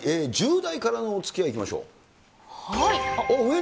１０代からのおつきあい、いきましょう。